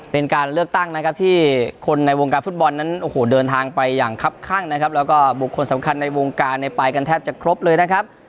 เป็นการเลือกตั้งนะครับที่คนในวงการฟุตบอลนั้นโอ้โหเดินทางไปอย่างครับข้างนะครับแล้วก็บุคคลสำคัญในวงการเนี่ยไปกันแทบจะครบเลยนะครับ